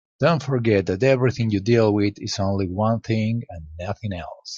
Don't forget that everything you deal with is only one thing and nothing else.